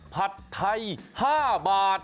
ผัดไทย๕บาท